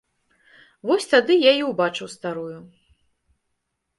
Вось тады я і ўбачыў старую.